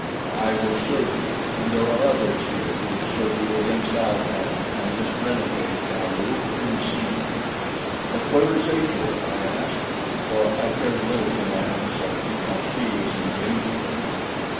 I will serve you, and there are others here who will serve you against Al tan and this renegade Galu, Du seen." "But where is Ajor?" I asked, for I cared little for my own safety while she was in danger.